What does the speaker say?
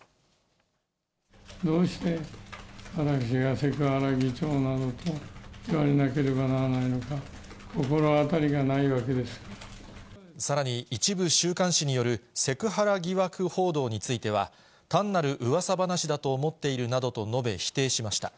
どうして私がセクハラ議長などと言われなければならないのか、さらに、一部週刊誌によるセクハラ疑惑報道については、単なるうわさ話だと思っているなどと述べ、否定しました。